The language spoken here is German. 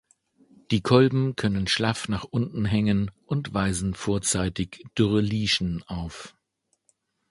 Die Kolben können schlaff nach unten hängen und weisen vorzeitig dürre Lieschen auf.